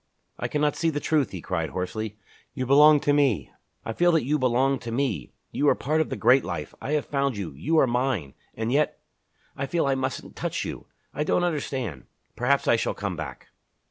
"I cannot see the truth!" he cried hoarsely. "You belong to me I feel that you belong to me! You are part of the great life. I have found you you are mine! And yet ... I feel I mustn't touch you. I don't understand. Perhaps I shall come back."